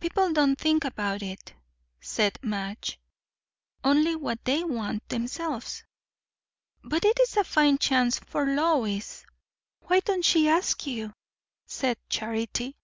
"People don't think about it," said Madge; "only what they want themselves. But it is a fine chance for Lois." "Why don't she ask you?" said Charity.